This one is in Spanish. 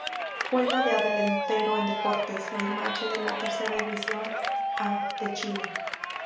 Juega de delantero en Deportes Limache de la Tercera División A de Chile.